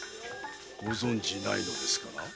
ご存じないのですかな？